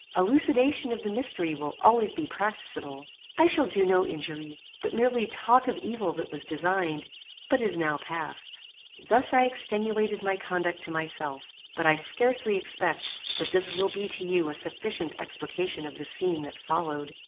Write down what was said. Elucidation of the mystery will always be practicable. I shall do no injury, but merely talk of evil that was designed, but is now past. "Thus I extenuated my conduct to myself, but I scarcely expect that this will be to you a sufficient explication of the scene that followed.